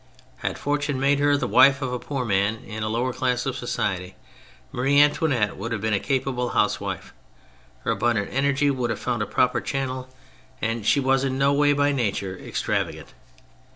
Had fortune made her the wife of a poor man in a lower class of society, Marie Antoin ette would have been a capable housewife : her abundant energy would have found a proper channel, and she was in no way by nature extravagant.